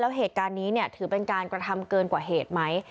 แล้วเหตุการณ์นี้ถือเป็นการกระทำเกินกว่าเหตุไหม